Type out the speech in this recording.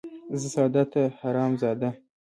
ـ زه ساده ،ته حرام زاده.